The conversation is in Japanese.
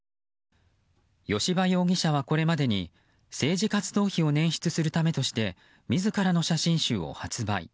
吉羽容疑者はこれまでに政治活動費を捻出するためとして自らの写真集を発売。